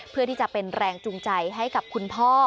เพื่อที่จะเป็นแรงจูงใจให้กับคุณพ่อ